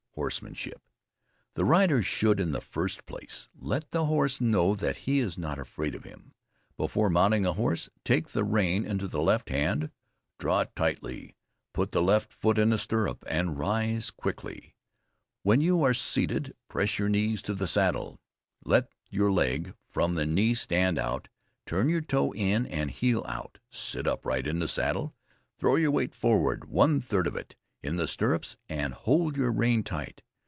HORSEMANSHIP. The rider should, in the first place, let the horse know that he is not afraid of him. Before mounting a horse, take the rein into the left hand, draw it tightly, put the left foot in the stirrup, and raise quickly. When you are seated press your knees to the saddle, let your leg, from the knee, stand out; turn your toe in and heel out; sit upright in your saddle, throw your weight forward one third of it in the stirrups and hold your rein tight.